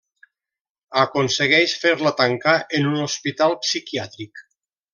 Aconsegueix fer-la tancar en un hospital psiquiàtric.